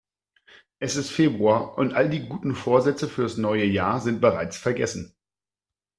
Es ist Februar und all die guten Vorsätze fürs neue Jahr sind bereits vergessen.